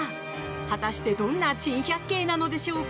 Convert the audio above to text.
果たしてどんな珍百景なのでしょうか。